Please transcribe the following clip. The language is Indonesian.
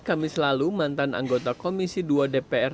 kamis lalu mantan anggota komisi dua dpr